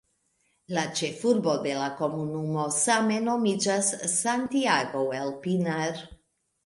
La ĉefurbo de la komunumo same nomiĝas "Santiago el Pinar".